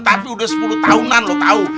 tapi udah sepuluh tahunan lo tau